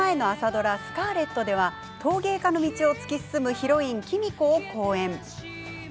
ドラ「スカーレット」では陶芸家の道を突き進むヒロイン喜美子を好演。